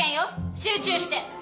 集中して。